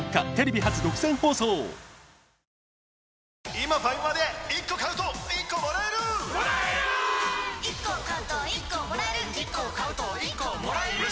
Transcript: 今ファミマで１個買うと１個もらえるもらえるっ！！